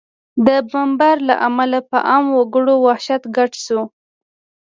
د بمبار له امله په عامه وګړو وحشت ګډ شو